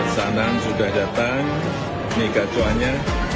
sanang sudah datang migacoannya